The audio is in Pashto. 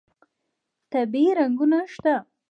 طبیعي رنګونه شته.